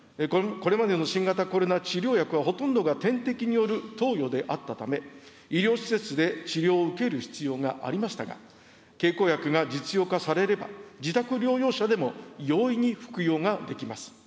これまでの新型コロナ治療薬はほとんどが点滴による投与であったため、医療施設で治療を受ける必要がありましたが、経口薬が実用化されれば、自宅療養者でも容易に服用ができます。